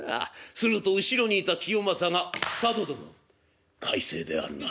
すると後ろにいた清正が「佐渡殿快晴であるな」。